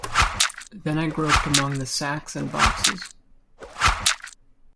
Then I groped among the sacks and boxes.